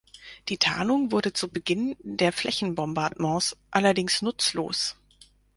Die Tarnung wurde zu Beginn der Flächenbombardements allerdings nutzlos.